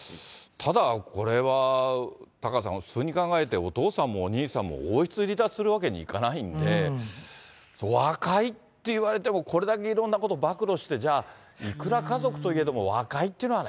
ただ、これはタカさん、普通に考えて、お父さんもお兄さんも王室離脱するわけにいかないんで、和解っていわれても、これだけいろんなこと暴露して、じゃあいくら家族といえども、和解っていうのはね。